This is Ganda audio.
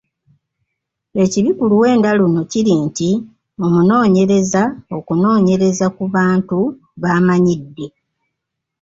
Ekibi ku luwenda luno kiri nti omunoonyereza okunoonyereza ku bantu b’amanyidde.